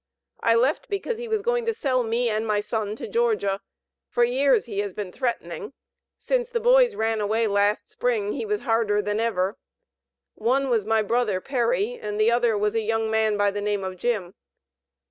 "I left because he was going to sell me and my son to Georgia; for years he had been threatening; since the boys ran away, last spring, he was harder than ever. One was my brother, Perry, and the other was a young man by the name of Jim."